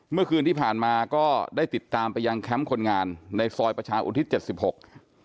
เมื่อคืนที่ผ่านมาก็ได้ติดตามไปยังแคมป์คนงานในซอยประชาอุทิศเจ็ดสิบหก